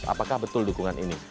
apakah betul dukungan ini